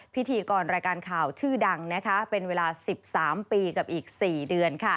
พิธีกรรายการข่าวชื่อดังเป็นเวลา๑๓ปีกับอีก๔เดือน